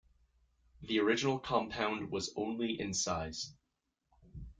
The original compound was only in size.